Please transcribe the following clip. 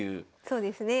そうですね。